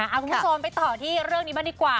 คุณผู้ชมไปต่อที่เรื่องนี้บ้างดีกว่า